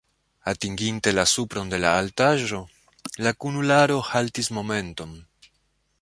Atinginte la supron de la altaĵo, la kunularo haltis momenton.